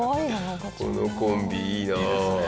このコンビいいなあ。